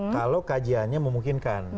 kalau kajiannya memungkinkan